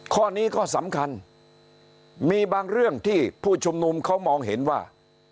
ข้อนี้ก็สำคัญมีบางเรื่องที่ผู้ชุมนุมเขามองเห็นว่า